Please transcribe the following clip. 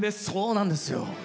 そうなんですよ。